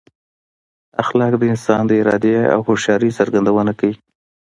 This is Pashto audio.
اخلاق د انسان د ارادې او هوښیارۍ څرګندونه کوي.